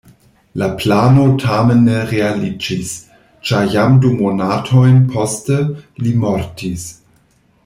La plano tamen ne realiĝis, ĉar jam du monatojn poste li mortis.